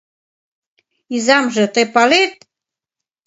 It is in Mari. Изамже, тый палет...